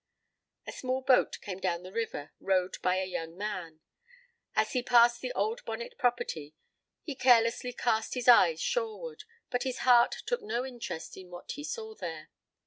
A small boat came down the river, rowed by a young man. As he passed the old Bonnet property he carelessly cast his eyes shoreward, but his heart took no interest in what he saw there.